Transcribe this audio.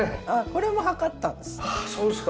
これも測ったんです。